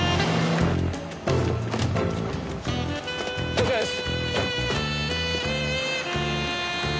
こちらです。